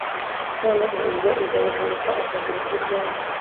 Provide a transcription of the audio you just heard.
Noneho ubwo uzavunika ukagura inzu ryari